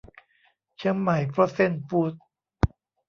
เชียงใหม่โฟรเซ่นฟู้ดส์